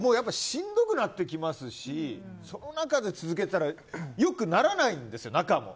しんどくなってきますしその中で続けてたら良くならないんですよ、仲も。